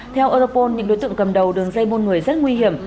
theo europol những đối tượng cầm đầu đường dây buôn người rất nguy hiểm